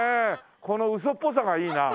このウソっぽさがいいな。